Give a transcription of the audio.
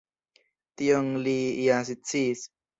Tion li ja sciis.